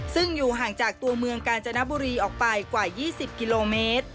ซึ่งอยู่ห่างจากตัวเมืองกาญจนบุรีออกไปกว่า๒๐กิโลเมตร